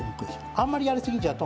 あんまりやりすぎちゃうと。